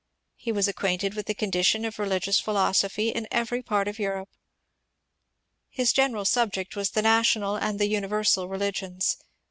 He was ac quainted with the condition of religious philosophy in every part of Europe. His general subject was the National and the Universal Religions.